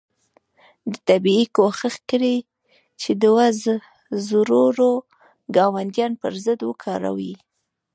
ده طبیعي کوښښ کړی چې دوه زورور ګاونډیان پر ضد وکاروي.